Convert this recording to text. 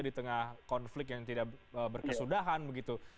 di tengah konflik yang tidak berkesudahan begitu